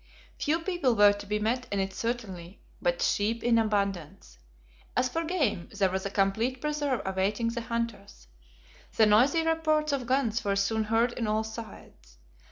Few people were to be met in it certainly, but sheep in abundance. As for game, there was a complete preserve awaiting the hunters. The noisy reports of guns were soon heard on all sides.